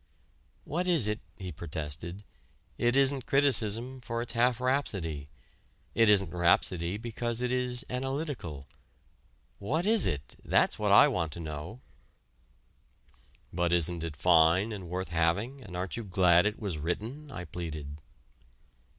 "What is it?" he protested, "it isn't criticism for it's half rhapsody; it isn't rhapsody because it is analytical.... What is it? That's what I want to know." "But isn't it fine, and worth having, and aren't you glad it was written?" I pleaded.